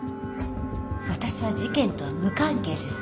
私は事件とは無関係です。